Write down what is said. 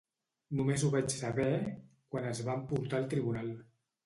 Només ho vaig saber quan es van portar al tribunal.